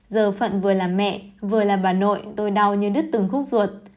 giờ phận vừa là mẹ vừa là bà nội tôi đau như đứt từng khúc ruột